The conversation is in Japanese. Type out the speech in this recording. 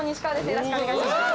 よろしくお願いします。